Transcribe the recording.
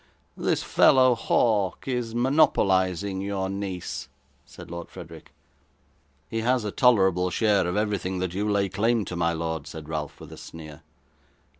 'This fellow, Hawk, is monopolising your niece,' said Lord Frederick. 'He has a tolerable share of everything that you lay claim to, my lord,' said Ralph with a sneer.